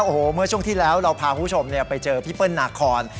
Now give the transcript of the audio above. โอ้โหเมื่อช่วงที่แล้วเราพาคุณผู้ชมไปเจอพี่เปิ้ลนาคอน